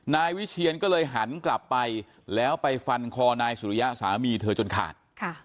นายวิเชียนก็เลยหันกลับไปแล้วไปฟันคอนายสุริยะสามีเธอจนขาด